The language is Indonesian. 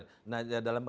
kita jadi sangat familiar